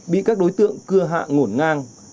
bị các đối tượng cưa hạ ngổn ngang